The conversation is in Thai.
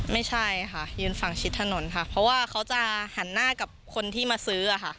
ไม่ใช่ค่ะยืนฝั่งชิดถนนค่ะเพราะว่าเขาจะหันหน้ากับคนที่มาซื้อค่ะ